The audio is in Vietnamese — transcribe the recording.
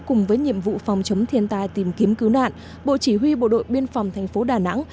cùng với nhiệm vụ phòng chống thiên tai tìm kiếm cứu nạn bộ chỉ huy bộ đội biên phòng thành phố đà nẵng